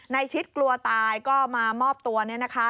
ชิดกลัวตายก็มามอบตัวเนี่ยนะคะ